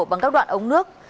bằng các đoạn ống nước